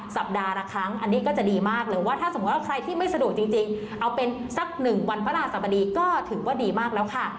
สัปดาห์ละครั้งอันนี้ก็จะดีมากเลยว่าถ้าสมมุติว่าใครที่ไม่สะดวกจริงเอาเป็นสักหนึ่งวันพระราชสัปดีก็ถือว่าดีมากแล้วค่ะ